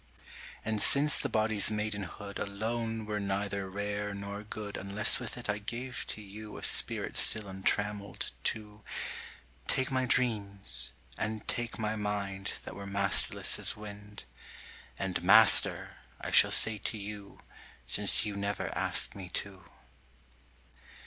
And since the body's maidenhood Alone were neither rare nor good Unless with it I gave to you A spirit still untrammeled, too, Take my dreams and take my mind That were masterless as wind; And "Master!" I shall say to you Since you never asked me to.